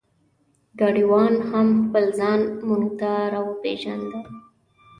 ګاډیوان هم خپل ځان مونږ ته را وپېژنده.